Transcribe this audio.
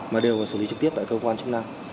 mà đều xử lý trực tiếp tại cơ quan chức năng